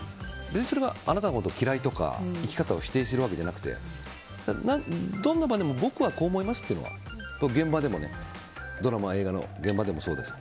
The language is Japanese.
それはあなたのことを嫌いとか、生き方を否定しているわけじゃなくてどんな場でも僕はこう思いますっていうのはドラマや映画の現場でもそうです。